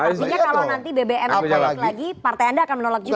artinya kalau nanti bbm nya naik lagi partai anda akan menolak juga